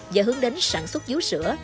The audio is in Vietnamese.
và hướng đến sản xuất dũ sữa